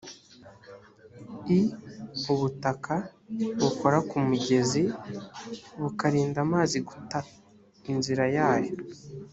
i ubutaka bukora ku mugezi bukarinda amazi guta inzira yayo